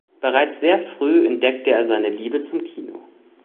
Bereits sehr früh entdeckte er seine Liebe zum Kino.